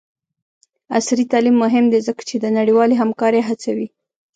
عصري تعلیم مهم دی ځکه چې د نړیوالې همکارۍ هڅوي.